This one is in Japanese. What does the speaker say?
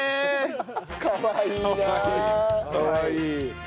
かわいい。